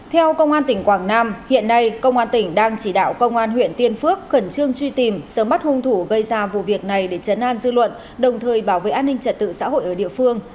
theo công an tỉnh quảng nam hiện nay công an tỉnh đang chỉ đạo công an huyện tiên phước khẩn trương truy tìm sớm bắt hung thủ gây ra vụ việc này để chấn an dư luận đồng thời bảo vệ an ninh trật tự xã hội ở địa phương